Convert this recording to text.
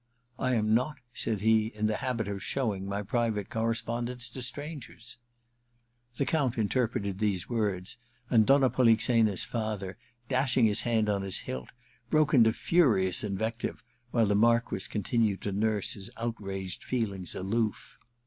' I am not/ said he, * in the habit of showing my private correspondence to strangers/ The Count interpreted these words, and Donna Polixena's father, dashing his hand on his hilt, broke into furious invective, while the Marquess continued to nurse his outraged feel ings aloof.